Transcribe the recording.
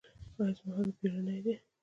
ایا زما حالت بیړنی دی؟